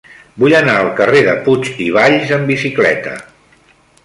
Vull anar al carrer de Puig i Valls amb bicicleta.